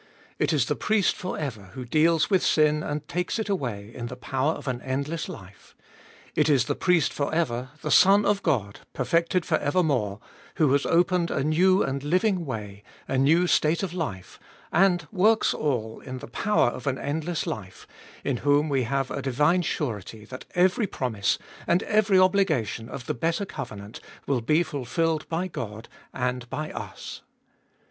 It is the Priest for ever who deals with sin and takes it away in the power of an endless life. It is the Priest for ever, the Son of God, perfected for evermore, who has opened a new and living way, a new state of life, and works all in the power of an endless fjolfest of ail 249 life, in whom we have a divine surety that every promise and every obligation of the better covenant will be fulfilled by God and by us.